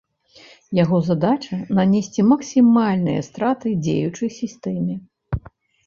Яго задача нанесці максімальныя страты дзеючай сістэме.